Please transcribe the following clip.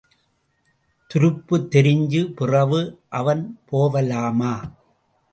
துருப்பு தெரிஞ்ச பிறவு அவன் போவலாமா...?